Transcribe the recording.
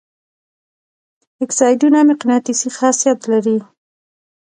اکسایدونه مقناطیسي خاصیت لري.